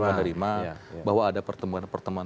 menerima bahwa ada pertemuan pertemuan